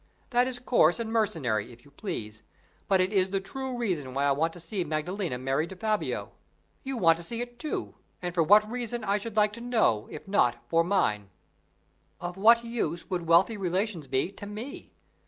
That is coarse and mercenary, if you please; but it is the true reason why I want to see Maddalena married to Fabio. You want to see it, too and for what reason, I should like to know, if not for mine?" "Of what use would wealthy relations be to me?